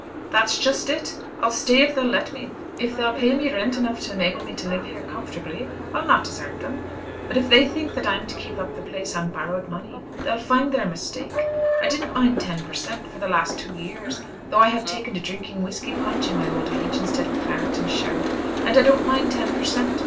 "That's just it. I'll stay if they'll let me. If they'll pay me rent enough to enable me to live here comfortably, I'll not desert them. But if they think that I'm to keep up the place on borrowed money, they'll find their mistake. I didn't mind ten per cent. for the last two years, though I have taken to drinking whisky punch in my old age, instead of claret and sherry. And I don't mind ten per cent.